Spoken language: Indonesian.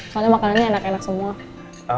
soalnya makanannya enak enak semua